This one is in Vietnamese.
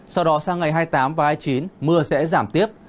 sau đó sang ngày hai mươi tám và hai mươi chín mưa sẽ giảm tiếp